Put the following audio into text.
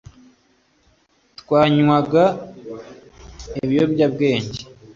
twanywaga ibiyobyabwenge